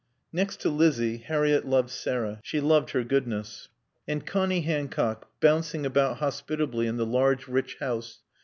Next to Lizzie, Harriett loved Sarah. She loved her goodness. And Connie Hancock, bouncing about hospitably in the large, rich house.